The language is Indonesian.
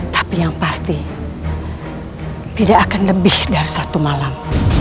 tapi yang pasti tidak akan lebih dari satu malam